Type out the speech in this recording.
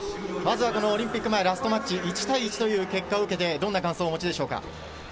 オリンピック前ラストマッチ、１対１という結果を受けてどんな感想ですか？